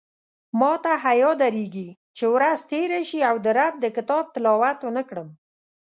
ماته حیاء درېږې چې ورځ تېره شي او د رب د کتاب تلاوت ونکړم